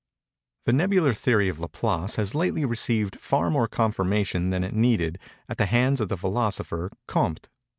The Nebular Theory of Laplace has lately received far more confirmation than it needed, at the hands of the philosopher, Compte.